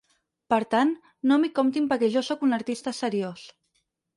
Per tant, no m'hi comptin perquè jo sóc un artista seriós.